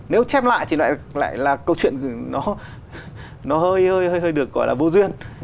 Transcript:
nếu chép lại thì lại là câu chuyện nó hơi hơi được gọi là vô duyên